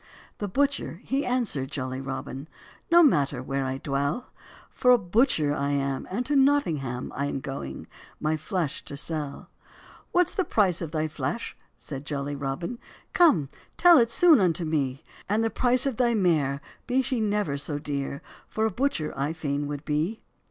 The butcher he answer'd jolly Robin, "No matter where I dwell; For a butcher I am, and to Nottingham I am going, my flesh to sell." "What's [the] price of thy flesh?" said jolly Robin, "Come, tell it soon unto me; And the price of thy mare, be she never so dear, For a butcher fain would I be."